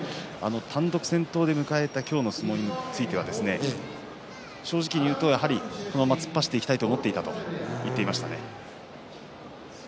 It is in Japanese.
単独先頭で迎えた今日の相撲については正直に言うと、やはりこのまま突っ走っていきたいと思っていたと言ってました。